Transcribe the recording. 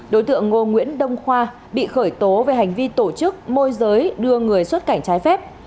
đối tượng ngô nguyễn đông khoa bị khởi tố về hành vi tổ chức môi giới đưa người xuất cảnh trái phép